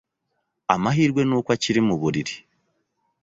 Amahirwe nuko akiri muburiri.